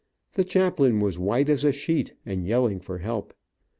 The chaplain was white as a sheet, and yelling for help.